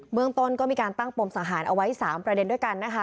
เมืองต้นก็มีการตั้งปมสังหารเอาไว้๓ประเด็นด้วยกันนะคะ